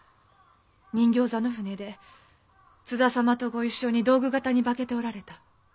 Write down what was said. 人形座の船で津田様と御一緒に道具方に化けておられた。